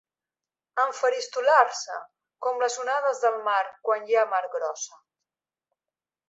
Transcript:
Enfaristolar-se com les onades del mar quan hi ha mar grossa.